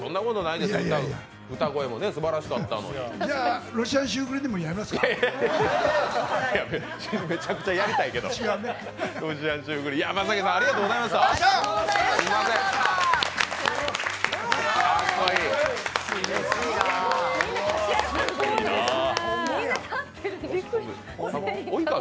いや、ありがとうございました。